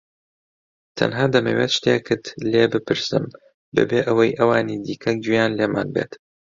تەنها دەمەوێت شتێکت لێ بپرسم بەبێ ئەوەی ئەوانی دیکە گوێیان لێمان بێت.